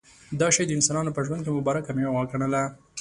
دا شی د انسانانو په ژوند کې مبارکه مېوه وګڼله.